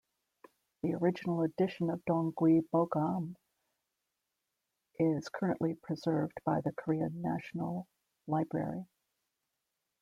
The original edition of Dongui Bogam is currently preserved by the Korean National Library.